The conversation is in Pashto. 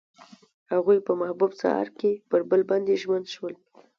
هغوی په محبوب سهار کې پر بل باندې ژمن شول.